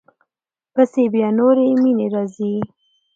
پسې بیا نورې مینې راځي.